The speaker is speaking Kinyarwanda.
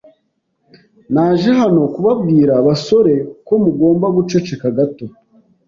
Naje hano kubabwira basore ko mugomba guceceka gato.